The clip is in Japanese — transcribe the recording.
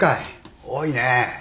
多いね。